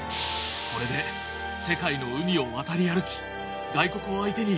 これで世界の海を渡り歩き外国を相手に自由に仕事できる。